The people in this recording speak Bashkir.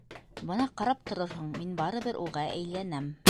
Бына ҡарап торорһоң, мин барыбер уға әйләнәм.